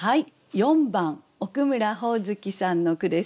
４番奥村ほおずきさんの句です。